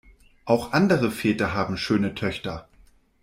Auch andere Väter haben schöne Töchter.